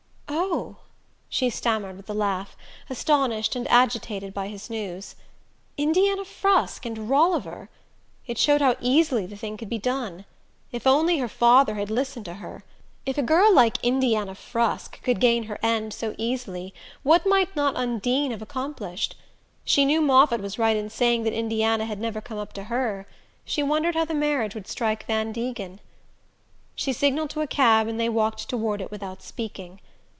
"Oh " she stammered with a laugh, astonished and agitated by his news. Indiana Frusk and Rolliver! It showed how easily the thing could be done. If only her father had listened to her! If a girl like Indiana Frusk could gain her end so easily, what might not Undine have accomplished? She knew Moffatt was right in saying that Indiana had never come up to her...She wondered how the marriage would strike Van Degen... She signalled to a cab and they walked toward it without speaking.